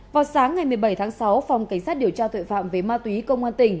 vào sáng ngày một mươi bảy tháng sáu phòng cảnh sát điều tra tội phạm về ma túy công an tỉnh